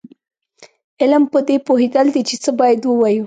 علم پدې پوهېدل دي چې څه باید ووایو.